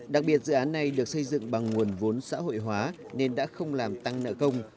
đặc biệt dự án này được xây dựng bằng nguồn vốn xã hội hóa nên đã không làm tăng nợ công